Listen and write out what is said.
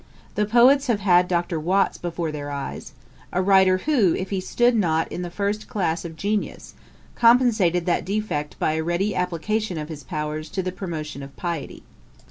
The poets have had Dr. Watts before their eyes; a writer, who, if he stood not in the first class of genius, compensated that defect by a ready application of his powers to the promotion of piety.